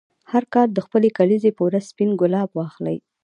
هر کال د خپلې کلیزې په ورځ سپین ګلاب واخلې.